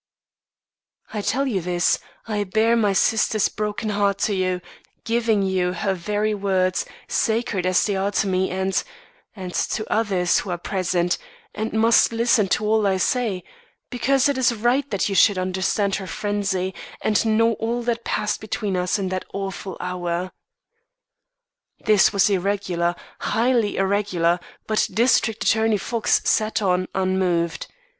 "I tell you this I bare my sister's broken heart to you, giving you her very words, sacred as they are to me and and to others, who are present, and must listen to all I say because it is right that you should understand her frenzy, and know all that passed between us in that awful hour." This was irregular, highly irregular but District Attorney Fox sat on, unmoved.